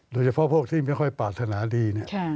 โดยเฉพาะพวกที่ไม่ค่อยปรารถนาดี